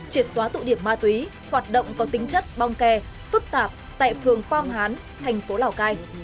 triệt xóa tụ điểm ma túy hoạt động có tính chất bong kè phức tạp tại phường phong hán thành phố lào cai